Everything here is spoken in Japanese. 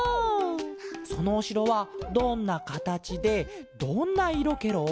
そのおしろはどんなかたちでどんないろケロ？